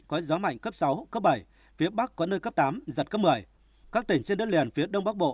có gió mạnh cấp sáu cấp bảy phía bắc có nơi cấp tám giật cấp một mươi các tỉnh trên đất liền phía đông bắc bộ